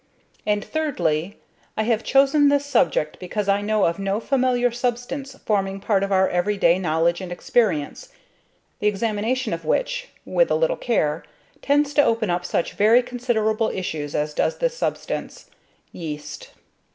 And thirdly, I have chosen this subject because I know of no familiar substance forming part of our every day knowledge and experience, the examination of which, with a little care, tends to open up such very considerable issues as does this substance yeast.